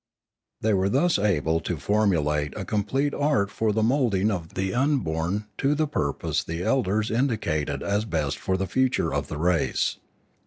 They were thus able to formulate a complete art for the moulding of the unborn to the purpose the elders indicated as best for the future of the race.